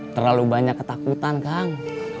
terlalu banyak ketakutan kang